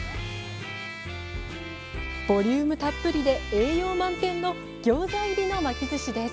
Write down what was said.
ボリュームたっぷりで栄養満点のギョーザ入りの巻きずしです。